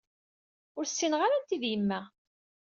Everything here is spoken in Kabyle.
Ur ssineɣ ara anta ay d yemma.